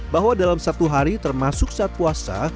bahwa dalam satu hari termasuk saat puasa